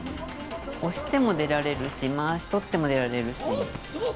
おしてもでられるし、まわし取っても出られるし。